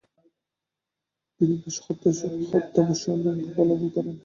তিনি বেশ হতাশাব্যঞ্জক ফলাফল করেন।